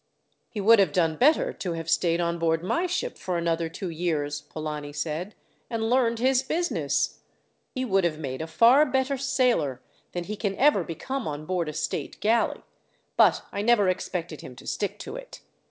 "He would have done better to have stayed on board my ship for another two years," Polani said, "and learned his business. He would have made a far better sailor than he can ever become on board a state galley; but I never expected him to stick to it.